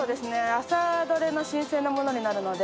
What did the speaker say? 朝どれの新鮮なものになるので。